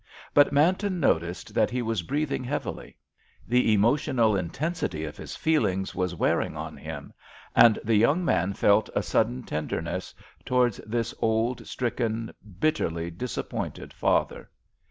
But Manton noticed that he was breathing heavily. The emotional intensity of his feelings was wearing on him, and the younger man felt a sudden tenderness towards this old, stricken, bitterly disappointed father.